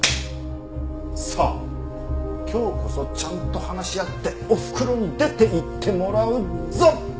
さあ今日こそちゃんと話し合っておふくろに出ていってもらうぞ！